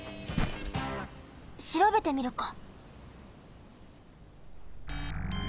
しらべてみるか。